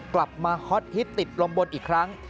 กลับมาฮอตฮิตติดลมบนอีกครั้ง